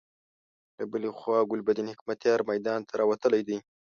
له بلې خوا ګلبدين حکمتیار میدان ته راوتلی دی.